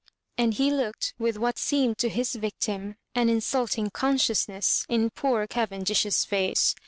and he looked, with what seemed to his victim an insulting consciousness, in poor Cavendish's face.